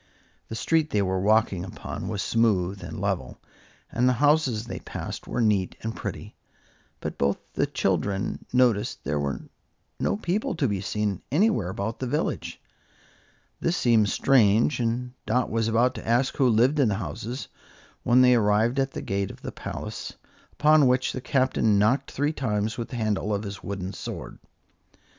The street they were walking upon was smooth and level, and the houses they passed were neat and pretty; but both the children noticed there were no people to be seen anywhere about the village. This seemed strange, and Dot was about ask who lived in the houses, when they arrived at the gate of the palace, upon which the Captain knocked three times with the handle of his wooden sword.